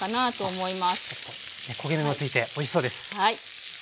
焦げ目がついておいしそうです。